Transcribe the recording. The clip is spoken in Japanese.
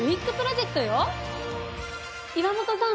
岩元さん